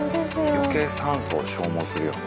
余計酸素を消耗するよね。